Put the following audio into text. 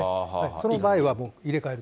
その場合はもう入れ替えると。